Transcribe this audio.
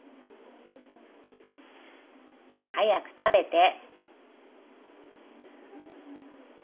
早く食べて